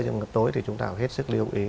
nhưng mà tối thì chúng ta phải hết sức lưu ý